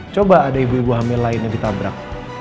coba ada ibu ibu hamil lainnya ditabrak